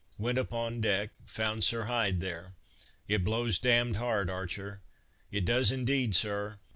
Went upon deck, found Sir Hyde there. "It blows damned hard Archer." "It does indeed, Sir."